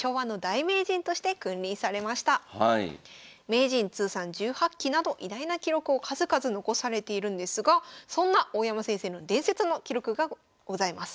名人通算１８期など偉大な記録を数々残されているんですがそんな大山先生の伝説の記録がございます。